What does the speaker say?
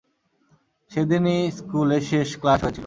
সেদিনই স্কুলে শেষ ক্লাস হয়েছিল।